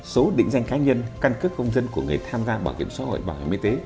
số định danh cá nhân căn cước công dân của người tham gia bảo hiểm xã hội bảo hiểm y tế